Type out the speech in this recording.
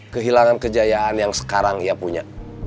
kehilangan kejayaan yang sekarang ia punya